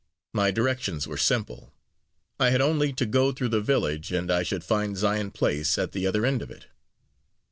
My directions were simple I had only to go through the village, and I should find Zion Place at the other end of it.